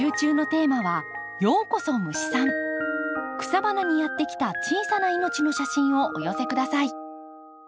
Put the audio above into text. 草花にやって来た小さな命の写真をお寄せ下さい。